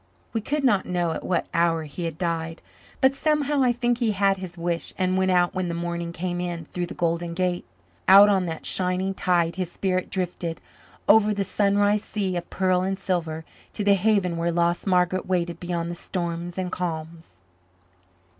We could not know at what hour he had died, but somehow I think he had his wish and went out when the morning came in through the Golden Gate. Out on that shining tide his spirit drifted, over the sunrise sea of pearl and silver, to the haven where lost Margaret waited beyond the storms and calms.